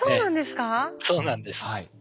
そうなんですか？